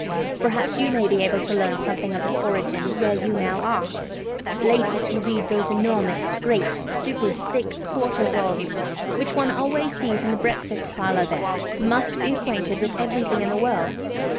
Perhaps you may be able to learn something of its origin where you now are. Ladies who read those enormous great stupid thick quarto volumes which one always sees in the breakfast parlour there must be acquainted with everything in the world.